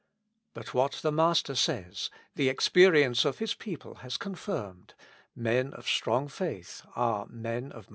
But what the Master says, the experience of His people has confirmed, men of strong faith are men of much prayer.